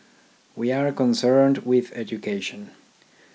We are concerned with education.